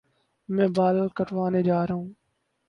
میں بال کٹوانے جا رہا ہوں